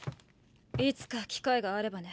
いつか機会があればね。